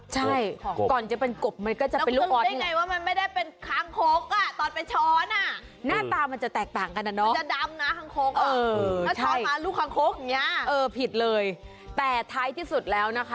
ใช่แล้วช้อนมาลูกข้างโค๊กอย่างเงี้ยเออผิดเลยแต่ท้ายที่สุดแล้วนะคะ